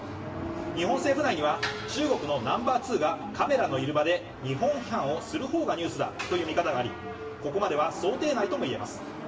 日本政府内には中国のナンバー２がカメラのいる場で日本批判をする方がニュースだという見方があり、ここまでは想定内ともいえます。